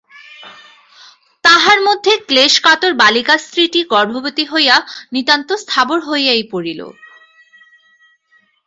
তাহার মধ্যে ক্লেশকাতর বালিকা স্ত্রীটি গর্ভবতী হইয়া নিতান্ত স্থাবর হইয়াই পড়িল।